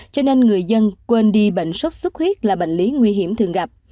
cho nên người dân quên đi bệnh sốt xuất huyết là bệnh lý nguy hiểm thường gặp